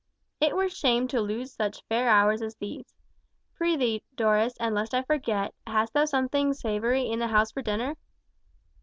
"It were shame to lose such fair hours as these. Prithee, Dolores, and lest I forget, hast thou something savoury in the house for dinner!"